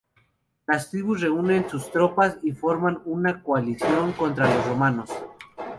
Las tribus reúnen sus tropas y forman una coalición contra los romanos.